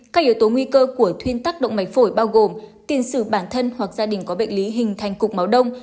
các yếu tố nguy cơ của thuyên tác động mạch phổi bao gồm tiền sử bản thân hoặc gia đình có bệnh lý hình thành cục máu đông